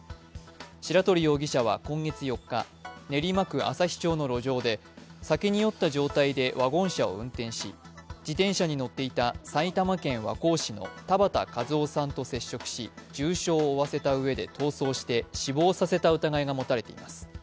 白鳥容疑者は今月４日、練馬区旭町の路上で酒に酔った状態でワゴン車を運転し自転車に乗っていた埼玉県和光市の田畑和雄さんと接触し重傷を負わせたうえで逃走し死亡させた疑いが持たれています。